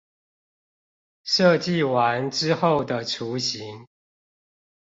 設計完之後的雛形